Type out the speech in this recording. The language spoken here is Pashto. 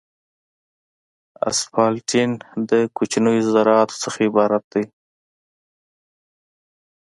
اسفالټین د کوچنیو ذراتو څخه عبارت دی